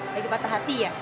lagi patah hati ya